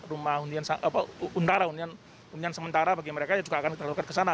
rumah undian sementara bagi mereka juga akan ditaruhkan ke sana